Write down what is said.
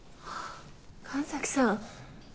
神崎さん。